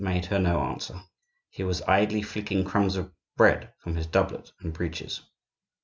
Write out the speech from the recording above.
made her no answer; he was idly flicking crumbs of bread from his doublet and breeches.